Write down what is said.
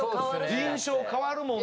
印象変わるしね。